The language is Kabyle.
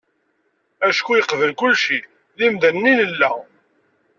Acku uqbel kulci d imdanen i nella.